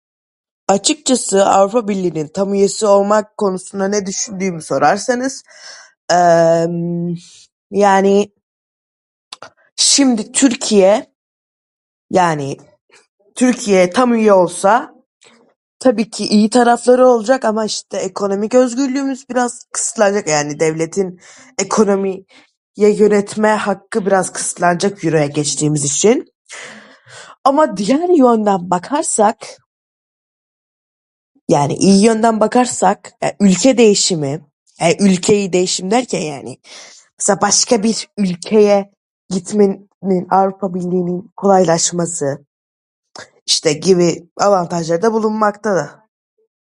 Açıkçası Avrupa Birliği'nin tam üyesi olmak konusunda ne düşündüğümü sorarsanız, eee, yani şimdi Türkiye yani Türkiye tam üye olsa tabii ki iyi tarafları olacak ama işte ekonomik özgürlüğümüz biraz kısıtlanacak. Yani devletin ekonomiye yönetme hakkı biraz kısıtlanacak euroya geçtiğimiz için. Ama diğer yandan bakarsak yani iyi yönden bakarsak ülke değişimi, ülkeyi değişim derken yani mesela başka bir ülkeye gitmenin Avrupa Birliği'nin kolaylaşması işte gibi avantajlarda bulunmakta